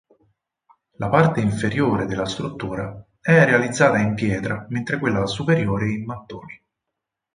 La parte inferiore della struttura è realizzata in pietra mentre quella superiore in mattoni.